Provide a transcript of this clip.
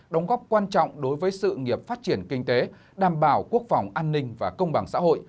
đóng góp quan trọng đối với sự nghiệp phát triển kinh tế đảm bảo quốc phòng an ninh và công bằng xã hội